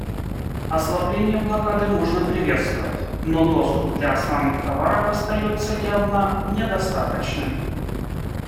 Ослабление блокады можно приветствовать, но доступ для основных товаров остается явно недостаточным.